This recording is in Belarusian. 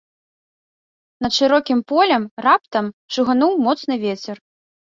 Над шырокім полем раптам шугануў моцны вецер.